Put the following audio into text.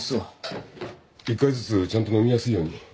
１回ずつちゃんと飲みやすいように分けといた。